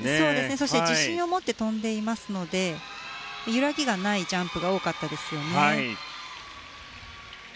そして自信を持って跳んでいますので揺らぎがないジャンプが多かったですよね。